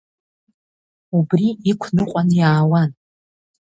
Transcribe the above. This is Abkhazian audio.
Убри иқәныҟәан иаауан.